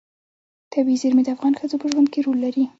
طبیعي زیرمې د افغان ښځو په ژوند کې رول لري.